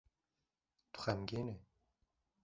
Tu xemgîn î.